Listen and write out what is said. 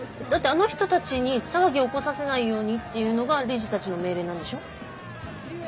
だってあの人たちに騒ぎを起こさせないようにっていうのが理事たちの命令なんでしょ？